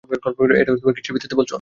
এটা কীসের ভিত্তিতে বলছো?